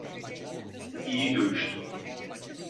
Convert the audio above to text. İyi dövüştün.